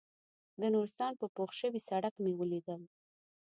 د نورستان په پوخ شوي سړک مې ولیدل.